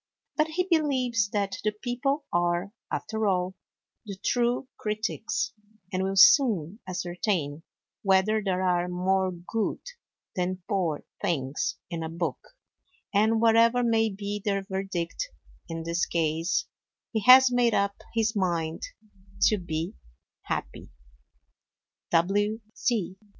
But he believes that The People are, after all, the true critics, and will soon ascertain whether there are more good than poor things in a book; and whatever may be their verdict in this case, he has made up his mind to be happy.